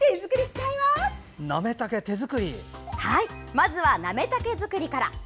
まずは、なめたけ作りから。